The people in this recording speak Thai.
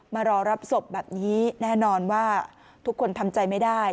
มารอรับศพแบบนี้แน่นอนว่าทุกคนทำใจไม่ได้